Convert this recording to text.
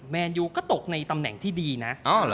แนนยูก็ตกในตำแหน่งที่ดีนะ